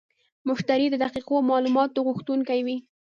مشتری د دقیقو معلوماتو غوښتونکی وي.